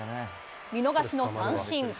見逃しの三振。